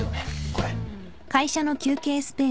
これ。